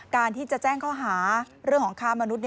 การที่จะแจ้งข้อหาเรื่องของค้ามนุษย์